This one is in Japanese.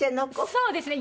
そうですね。